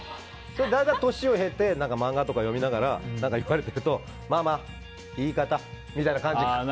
だんだん、年を経て漫画とか読みながら言われてるとママ、言い方みたいな感じで。